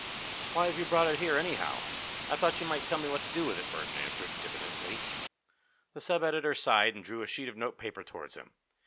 "Why have you brought it here, anyhow?" "I thought you might tell me what to do with it," Burton answered, diffidently. The sub editor sighed and drew a sheet of note paper towards him.